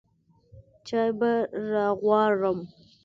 چاى به راغواړم.